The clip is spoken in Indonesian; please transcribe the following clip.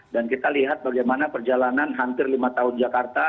dan kita lihat bagaimana perjalanan hampir lima tahun jakarta